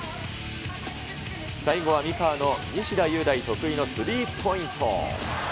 最後は三河の西田優大、得意のスリーポイント。